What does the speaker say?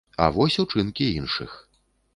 А вось учынкі іншых.